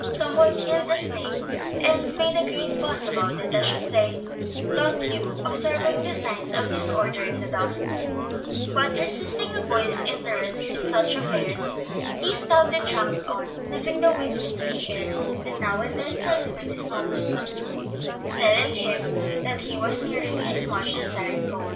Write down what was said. "Some one killed the snake and made a great fuss about it, I should say," thought Hugh, observing the signs of disorder in the dust; but, resisting a boy's interest in such affairs, he stoutly tramped on, sniffing the whiffs of sea air that now and then saluted his nose, telling him that he was nearing his much desired goal.